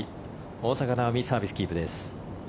大坂なおみサービスキープです。